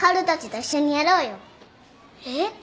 えっ？